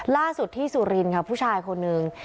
ล่าสุดที่สุรินทร์ค่ะผู้ชายคนหนึ่ง